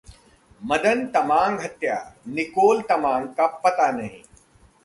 मदन तमांग हत्या: निकोल तमांग का पता नहीं